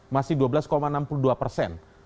masih dua belas enam puluh dua persen